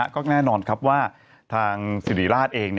ก็แน่นอนว่าทางศรีริราชเอง